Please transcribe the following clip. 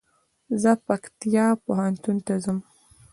زه پکتيا پوهنتون ته ځم